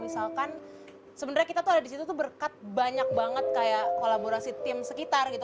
misalkan sebenarnya kita tuh ada di situ tuh berkat banyak banget kayak kolaborasi tim sekitar gitu